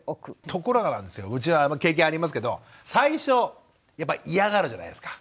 ところがなんですようちは経験ありますけど最初やっぱ嫌がるじゃないですか。